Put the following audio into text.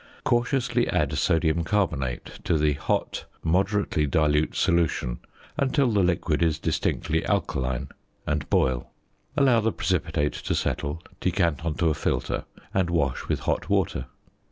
Cautiously add sodium carbonate to the hot, moderately dilute solution, until the liquid is distinctly alkaline, and boil. Allow the precipitate to settle, decant on to a filter, and wash with hot water.